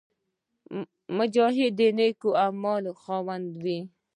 مجاهد د نېک عملونو خاوند وي.